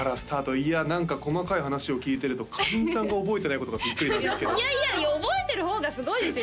いや何か細かい話を聞いてるとかりんさんが覚えてないことがびっくりなんですけどいやいや覚えてる方がすごいですよ